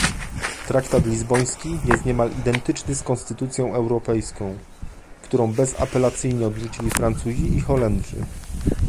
Traktat lizboński jest niemal identyczny z konstytucją europejską, którą bezapelacyjnie odrzucili Francuzi i Holendrzy